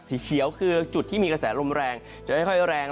สีเขียวคือจุดที่มีกระแสลมแรงจะค่อยแรง